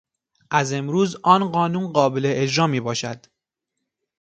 از امروز آن قانون قابل اجرا می باشد.